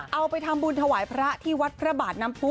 เอาไปทำบุญถวายพระที่วัดพระบาทน้ำผู้